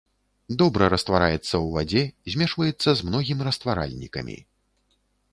Добра раствараецца ў вадзе, змешваецца з многім растваральнікамі.